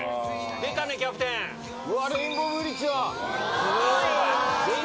出たね、キャプテン。